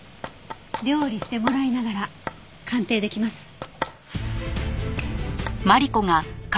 料理してもらいながら鑑定できます。